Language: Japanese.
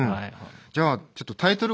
じゃあちょっとタイトルコール。